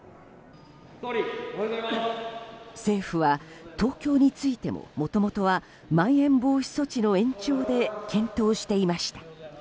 政府は東京についてももともとはまん延防止措置の延長で検討していました。